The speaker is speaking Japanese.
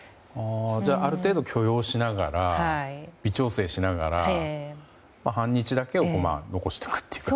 ある程度、許容しながら微調整しながら反日だけを残しておくというか。